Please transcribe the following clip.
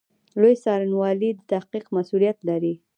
لوی څارنوالي د تحقیق مسوولیت لري